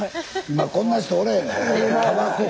今こんな人おれへんで。